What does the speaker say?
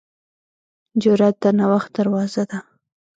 جرأت د نوښت دروازه ده.